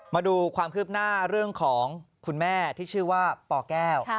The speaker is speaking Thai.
มาดูความคืบหน้าเรื่องของคุณแม่ที่ชื่อว่าปแก้ว